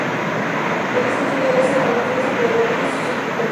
El disco tenía doce aberturas alrededor de su circunferencia.